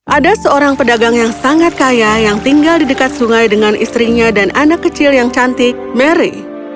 ada seorang pedagang yang sangat kaya yang tinggal di dekat sungai dengan istrinya dan anak kecil yang cantik mary